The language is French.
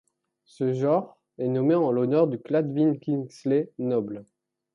Ce genre est nommé en l'honneur de Gladwyn Kingsley Noble.